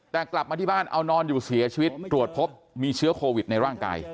แต่กลับมาที่บ้านเอานอนอยู่เสียชีวิตตรวจพบมีเชื้อโควิดในร่างกาย